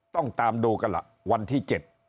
ต้องตามดูกันล่ะวันที่๗